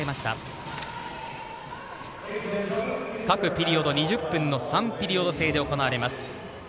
各ピリオド、２０分の３ピリオド制で行われます。